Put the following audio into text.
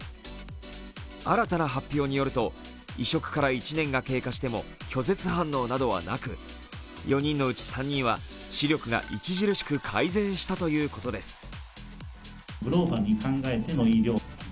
新たな発表によると、移植から１年が経過しても拒絶反応などはなく４人のうち３人は視力が著しく改善したというこです。